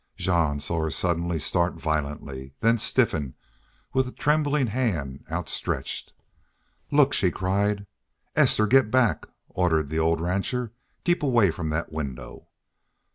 Jean saw her suddenly start violently, then stiffen, with a trembling hand outstretched. "Look!" she cried. "Esther, get back," ordered the old rancher. "Keep away from that window."